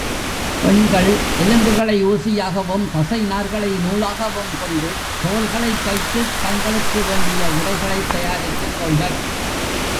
பெண்கள் எலும்புகளை ஊசியாகவும், தசை நார்களை நூலாகவும் கொண்டு தோல்களைத் தைத்துத் தங்களுக்கு வேண்டிய உடைகளைத் தயாரித்துக் கொள்வர்.